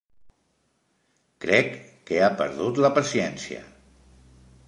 Crec que ha perdut la paciència.